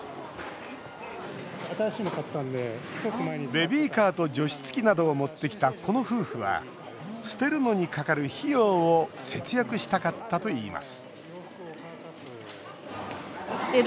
ベビーカーと除湿器などを持ってきた、この夫婦は捨てるのにかかる費用を節約したかったといいます